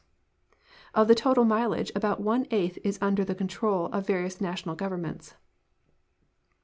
Of the total mileage about one eighth is under the control of various national governments.